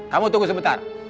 kamu tunggu sebentar